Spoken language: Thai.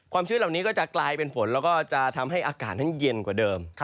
ชื้นเหล่านี้ก็จะกลายเป็นฝนแล้วก็จะทำให้อากาศนั้นเย็นกว่าเดิม